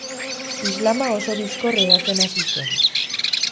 Islama oso bizkor hedatzen hasi zen.